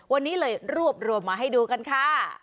วันนี้เลยรวบรวมมาให้ดูกันค่ะ